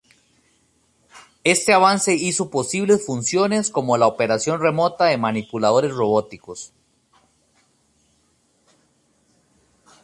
Este avance hizo posibles funciones como la operación remota de manipuladores robóticos.